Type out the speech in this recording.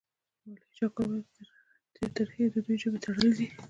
مولوي شاکر وویل چې ترهې د دوی ژبه تړلې ده.